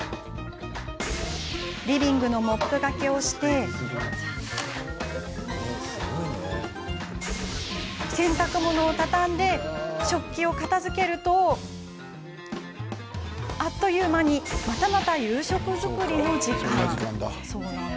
リビングのモップがけをして洗濯物をたたんで食器を片づけるとあっという間にまたまた夕食作りの時間です。